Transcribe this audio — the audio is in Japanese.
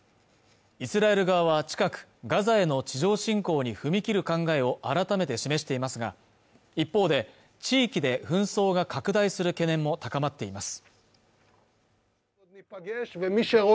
イスラエル側は近くガザへの地上侵攻に踏み切る考えを改めて示していますが一方で地域で紛争が拡大する懸念も高まっています